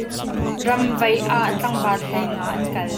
Ramvaih ah tlangval hlei nga an kal.